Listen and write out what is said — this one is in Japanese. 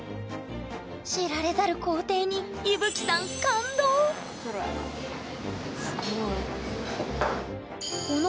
知られざる工程にいぶきさんすごい。